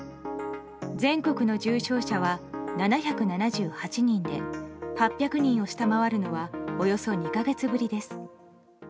全国の重症者は７７８人で８００人を下回るのはおよそ２か月ぶりです。